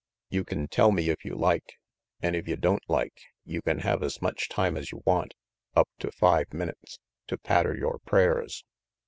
You can tell me if you like, an' if you don't like, you can have as much time as you want, up to five minutes, to patter yore prayers.